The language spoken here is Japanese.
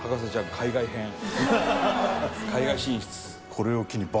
海外進出。